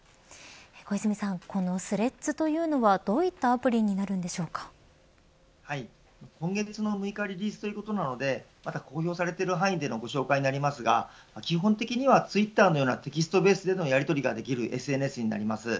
小泉さんこのスレッズというのはどういったアプリに今月の６日リリースということなのでまだ公表されている範囲でのご紹介になりますが、基本的にはツイッターのようなテキストベースでのやりとりができるＳＮＳになります。